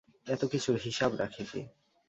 এতকিছুর হিসাব রাখে কে?